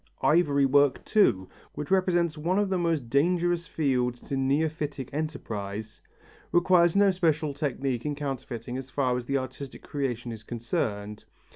Ivory work too, which represents one of the most dangerous fields to neophytic enterprise, requires no special technique in counterfeiting as far as the artistic creation is concerned.